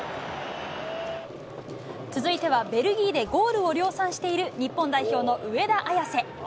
続いてはベルギーで、ゴールを量産している日本代表の上田綺世。